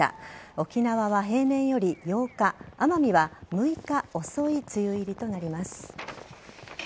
沖縄は平年より８日奄美は６日遅い梅雨入りとなります。